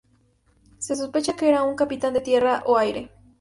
Se sospecha que era un Capitán de Tierra o Aire.